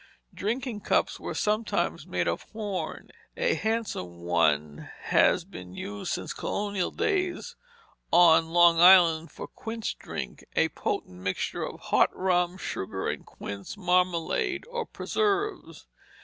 Drinking cups were sometimes made of horn. A handsome one has been used since colonial days on Long Island for "quince drink," a potent mixture of hot rum, sugar, and quince marmalade, or preserves.